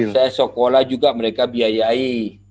saya sekolah juga mereka biayai